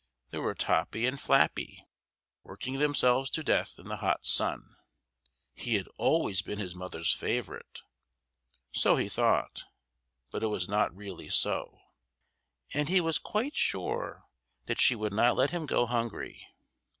There were Toppy and Flappy, working themselves to death in the hot sun. He had always been his mother's favourite (so he thought, but it was not really so), and he was quite sure that she would not let him go hungry.